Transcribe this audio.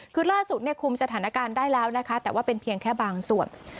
คือล่าสุดเนี่ยคุมสถานการณ์ได้แล้วนะคะแต่ว่าเป็นเพียงแค่บางส่วน